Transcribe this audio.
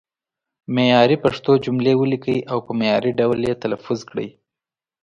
معیاري پښتو جملې ولیکئ او په معیاري ډول یې تلفظ کړئ.